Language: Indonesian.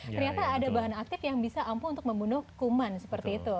ternyata ada bahan aktif yang bisa ampuh untuk membunuh kuman seperti itu